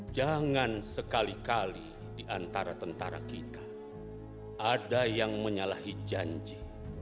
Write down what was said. jangan sekali kali diantara tentara kita ada yang menyalahi janji